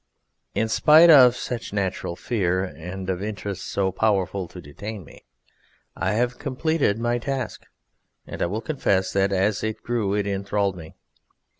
In spite of such natural fear and of interests so powerful to detain me, I have completed my task, and I will confess that as it grew it enthralled me.